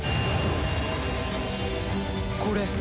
これ！